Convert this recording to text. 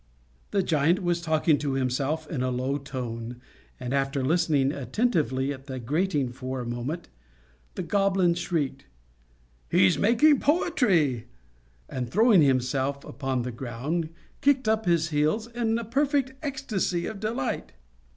The giant was talking to himself in a low tone, and after listening attentively at the grating for a moment, the Goblin shrieked: "He's making poetry!" and, throwing himself upon the ground, kicked up his heels in a perfect ecstasy of delight.